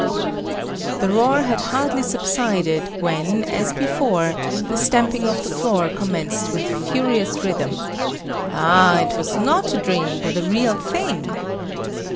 The roar had hardly subsided, when, as before, the stamping of the floor commenced with furious rhythm. Ah, it was not a dream, but a real thing!